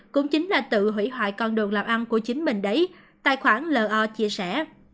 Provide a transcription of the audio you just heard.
cũng chính là tự hủy hoại con đồn làm ăn của chính mình đấy tài khoản l o chia sẻ